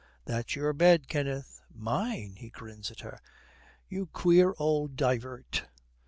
'That's your bed, Kenneth.' 'Mine?' He grins at her. 'You queer old divert.